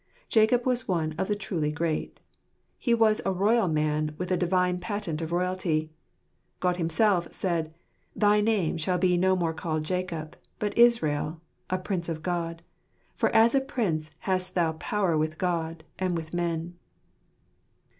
Jacob was one of the truly great. He was a royal man with a Divine patent of royalty. God Himself said, " Thy name shall be no more called Jacob, but Israel (a prince of God), for as a prince hast thou power with God, and with men."